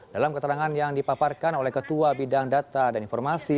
dalam keterangan yang dipaparkan oleh ketua bidang data dan informasi